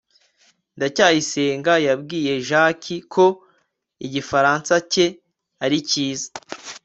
ndacyayisenga yabwiye jaki ko igifaransa cye ari cyiza